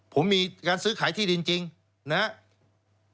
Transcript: ผมมีการซื้อขายที่ดินจริงนะครับ